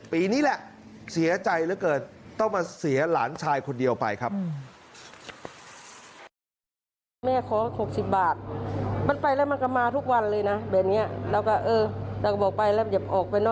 ปีนี้แหละเสียใจเหลือเกินต้องมาเสียหลานชายคนเดียวไปครับ